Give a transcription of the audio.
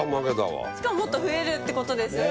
しかももっと増えるってことですよね。